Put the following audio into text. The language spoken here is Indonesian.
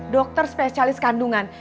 dokter spesialis kandungan